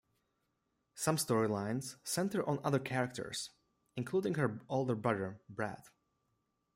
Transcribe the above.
Some storylines center on other characters, including her older brother Brad.